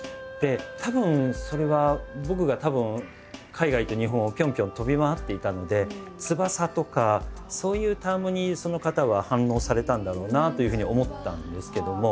たぶんそれは僕がたぶん海外と日本をぴょんぴょん飛び回っていたので「翼」とかそういう単語にその方は反応されたんだろうなというふうに思ったんですけども。